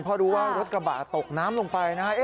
เพราะรู้ว่ารถกระบะตกน้ำลงไปนะฮะ